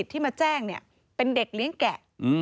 ที่มาแจ้งเป็นเด็กเลี้ยงแกะ